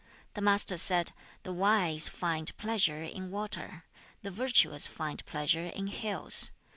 The Master said, 'The wise find pleasure in water; the virtuous find pleasure in hills.